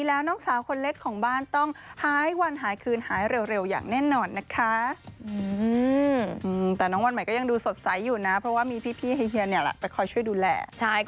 อังกฤษไปด้วยเลย